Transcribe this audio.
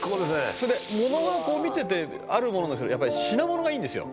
「それでものはこう見ててあるものなんですけどやっぱり品物がいいんですよ」